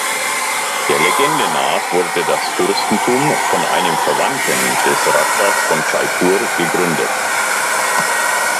Der Legende nach wurde das Fürstentum von einem Verwandten des Rajas von Jaipur gegründet.